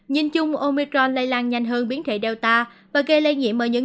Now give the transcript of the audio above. nhìn chung omicron lây lan nhanh hơn biến thể delta và gây lây nhiễm